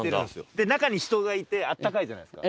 で中に人がいて温かいじゃないですか。